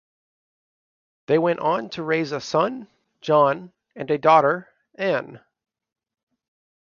They went on to raise a son, John, and a daughter, Anne.